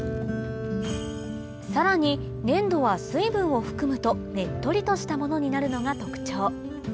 さらに粘土は水分を含むとねっとりとしたものになるのが特徴